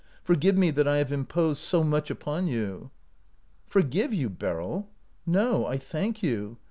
For give me that I have imposed so much upon you." " Forgive you, Beryl! No ; I thank you.